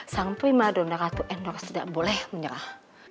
sang prima donda ratu endorse tidak boleh menyerah